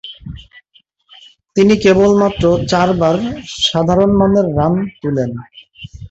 তিনি কেবলমাত্র চারবার সাধারণমানের রান তুলেন।